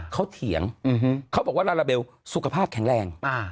เขาเถียงเขาบอกว่าลาลาเบลสุขภาพแข็งแรง